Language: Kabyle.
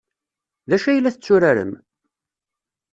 D acu ay la tetturarem?